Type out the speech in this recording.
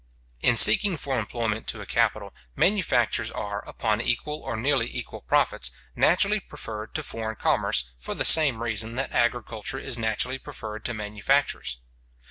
In seeking for employment to a capital, manufactures are, upon equal or nearly equal profits, naturally preferred to foreign commerce, for the same reason that agriculture is naturally preferred to manufactures.